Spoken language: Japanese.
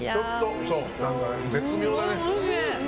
絶妙だね。